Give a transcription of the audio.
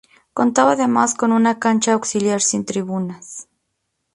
Contaba además con una cancha auxiliar sin tribunas.